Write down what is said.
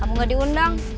kamu gak diundang